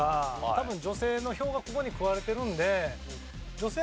多分女性の票がここに食われてるんで。